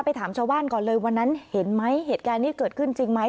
ถามชาวบ้านก่อนเลยวันนั้นเห็นไหมเหตุการณ์นี้เกิดขึ้นจริงไหม